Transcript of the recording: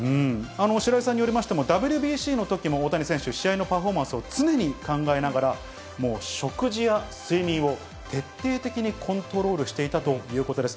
白井さんによりますと、ＷＢＣのときも、大谷選手、試合のパフォーマンスを常に考えながら、もう食事や睡眠を徹底的にコントロールしていたということです。